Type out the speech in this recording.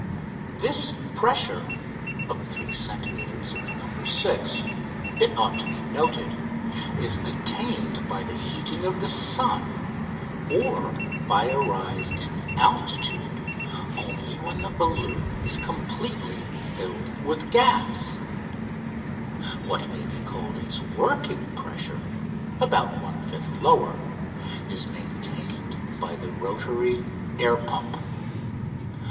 This pressure (of 3 centimetres in the "No. 6"), it ought to be noted, is attained by the heating of the sun or by a rise in altitude only when the balloon is completely filled with gas: what may be called its working pressure about one fifth lower is maintained by the rotary air pump.